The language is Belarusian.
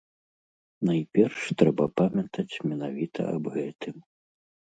Найперш трэба памятаць менавіта аб гэтым.